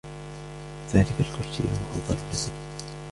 ذاك الكرسي المفضل لدي.